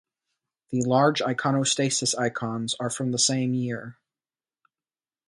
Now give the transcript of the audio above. The large iconostasis icons are from the same year.